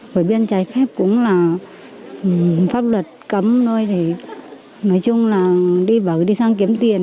rồi biên trái phép cũng là pháp luật cấm thôi thì nói chung là đi vở đi sang kiếm tiền